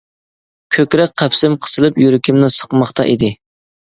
كۆكرەك قەپىسىم قىسىلىپ يۈرىكىمنى سىقماقتا ئىدى.